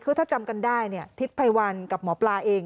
คือถ้าจำกันได้เนี่ยทิศภัยวันกับหมอปลาเอง